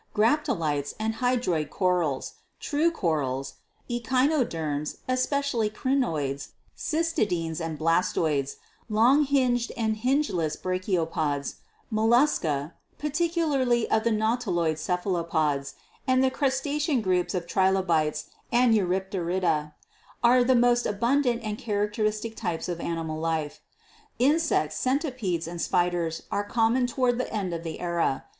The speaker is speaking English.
Graptolites and Hydroid Corals, true Corals, Echinoderms (especially Crinoids, Cystideans and Blastoids), long hinged and hingeless Brachiopods, Mollusca (particularly the Nau tiloid Cephalopods) and the crustacean groups of Trilo 210 GEOLOGY bites and Eurypterida are the most abundant and charac teristic types of animal life. Insects, centipedes and spiders were common toward the end of the era.